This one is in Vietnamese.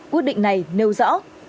quyết định này nêu rõ